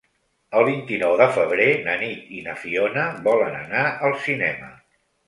El vint-i-nou de febrer na Nit i na Fiona volen anar al cinema.